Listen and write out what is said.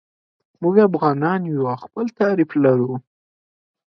موږ افغانان یو او خپل تعریف لرو.